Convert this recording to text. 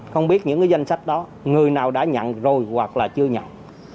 không biết những danh sách đó người nào đã nhận rồi hoặc là chưa nhận